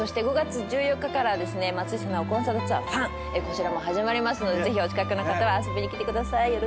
５月１４日から松下奈緒コンサートツアー−ＦＵＮ−こちらも始まりますのでぜひお近くの方は遊びに来てください。